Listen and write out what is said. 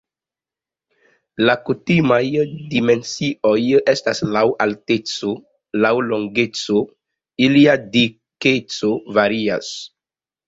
La kutimaj dimensioj estas laŭ alteco, laŭ longeco, ilia dikeco varias.